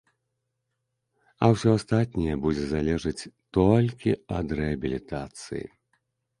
А ўсё астатняе будзе залежыць толькі ад рэабілітацыі.